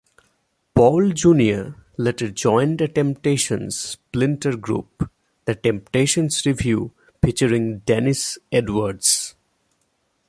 Paul Junior later joined a Temptations splinter group, The Temptations Review featuring Dennis Edwards.